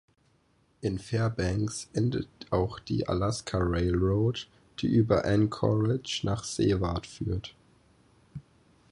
In Fairbanks endet auch die Alaska Railroad, die über Anchorage nach Seward führt.